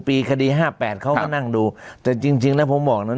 ปีคดี๕๘เขาก็นั่งดูแต่จริงนะผมบอกเนี่ย